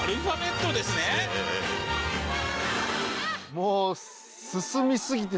もう。